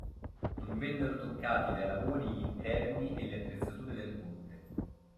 Non vennero toccati dai lavori gli interni e le attrezzature del ponte.